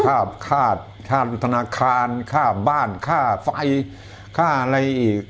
เขาขายอะไรมันก็รู้อยู่ข้าวธนาคารข้าวบ้านข้าวไฟข้าวอะไรอีก